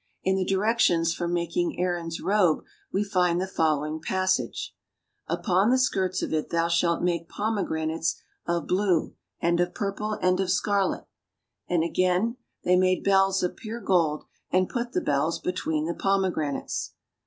In the directions for making Aaron's robe we find the following passage: "Upon the skirts of it thou shalt make pomegranates of blue, and of purple, and of scarlet," and again, "They made bells of pure gold, and put the bells between the pomegranates."